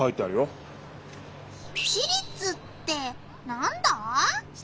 「市立」ってなんだ？